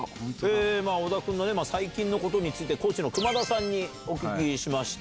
まあ、小田君の最近のことについて、コーチの熊田さんにお聞きしました。